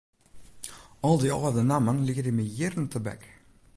Al dy âlde nammen liede my jierren tebek.